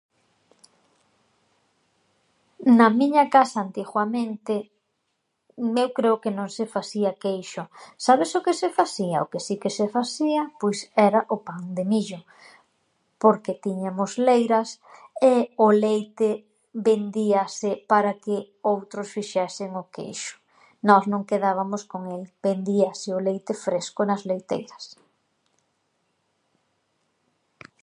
Na miña casa, antighuamente, eu creo que non se fasía queixo. Sabes o que se fasía? O que si que se fasía, pois, era o pan de millo porque tíñamos leiras e o leite vendíase para que outros fixesen o queixo. Nós non quedábamos con el, vendíase o leite fresco nas leiteiras.